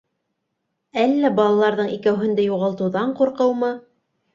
Әллә балаларҙың икәүһен дә юғалтыуҙан ҡурҡыумы?